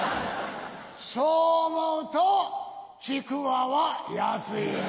そう思うとちくわは安いな。